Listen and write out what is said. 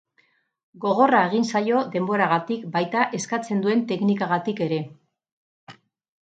Gogorra egin zaio denboragatik baita eskatzen duen teknikagatik ere.